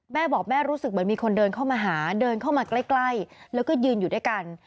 แม่บอกแม่รู้สึกเหมือนมีคนเดินเข้ามาหาเดินเข้ามาใกล้แล้วก็ยืนอยู่ด้วยกัน